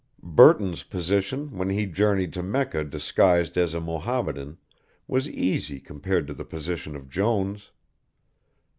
Burton's position when he journeyed to Mecca disguised as a Mohammedan was easy compared to the position of Jones.